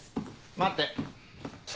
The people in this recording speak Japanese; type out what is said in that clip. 待って。